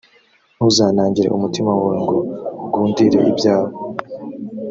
ntuzanangire umutima wawe ngo ugundire ibyawe,